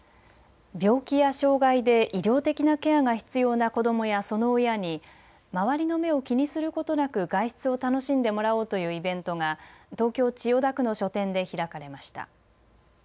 病気や障害で医療的なケアが必要な子どもやその親に周りの目を気にすることなく外出を楽しんでもらおうというイベントが東京千代田区の書店で開かれました。